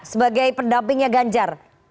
sebagai pendampingnya ganjar